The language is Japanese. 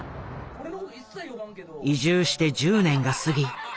移住して１０年が過ぎ